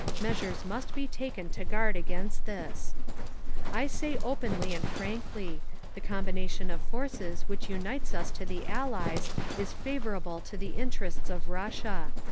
Measures must be taken to guard against this…. "I say openly and frankly: the combination of forces which unites us to the Allies is _favourable to the interests of Russia….